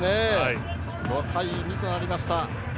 ５対２となりました。